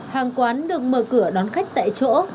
hàng quán được mở cửa đón khách tại chỗ